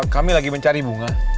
kami lagi mencari bunga